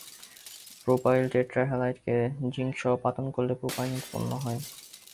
Propyl tetra হ্যালাইডকে জিংকসহ পাতন করলে propyne উৎপন্ন হয়।